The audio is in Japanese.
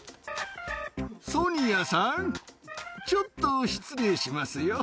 ソニアさん、ちょっと失礼しますよ。